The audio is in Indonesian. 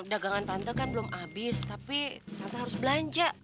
dagangan tante kan belum habis tapi tanpa harus belanja